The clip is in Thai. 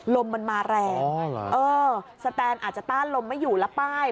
ลมมันมาแรงเออสแตนอาจจะต้านลมไม่อยู่แล้วป้าย